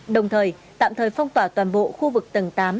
đồng thời tạm thời phong tỏa toàn bộ khu vực tầng tám